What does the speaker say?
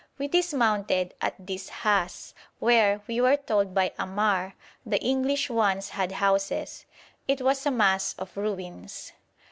We dismounted at Dis'hass, where, we were told by Ammar, 'the English once had houses.' It was a mass of ruins.